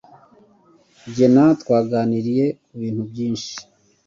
Jye na twaganiriye ku bintu byinshi.